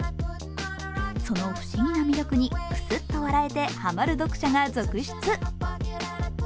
その不思議な魅力にくすっと笑えて、ハマる読者が続出。